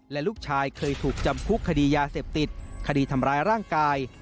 และลูกชายเคยถูกจำคุกคดียาเสพติดคดีทำร้ายร่างกาย